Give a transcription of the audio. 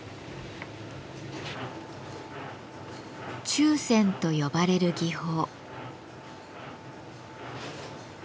「注染」と呼ばれる技法。